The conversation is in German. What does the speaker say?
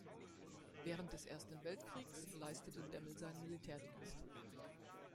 Während des Ersten Weltkriegs leistete Demmel seinen Militärdienst.